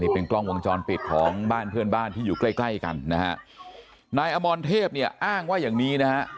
เป็นกล้องวงจรปิดของบ้านเพื่อนบ้านที่อยู่ใกล้ใกล้กันนะฮะนายอมรเทพเนี่ยอ้างว่าอย่างนี้นะฮะ